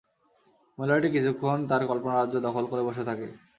মহিলাটি কিছুক্ষণ তার কল্পনারাজ্য দখল করে বসে থাকে।